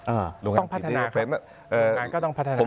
อ่าต้องพัฒนาครับโรงงานก็ต้องพัฒนาครับ